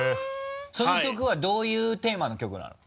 その曲はどういうテーマの曲なの？